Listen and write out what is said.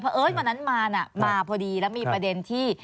เพราะเอิ้นวันนั้นมาน่ะมาพอดีแล้วมีประเด็นที่